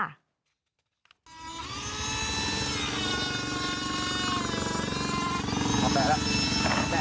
อ้าวแปะแล้ว